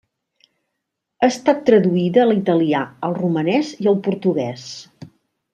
Ha estat traduïda a l'italià, al romanès i al portuguès.